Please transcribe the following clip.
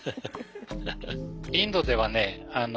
インドではね